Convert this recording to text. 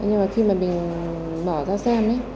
nhưng mà khi mà mình mở ra xem ấy